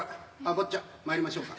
坊ちゃんまいりましょうか。